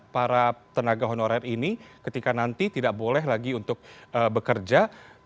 para tenaga honorer ini ketika nanti tidak boleh lagi untuk bekerja